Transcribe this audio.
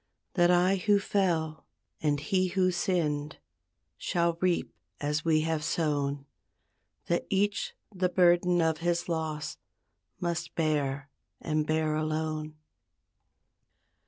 That I who fell, and he who sinned, Shall reap as we have sown; That each the burden of his loss Must bear and bear alone.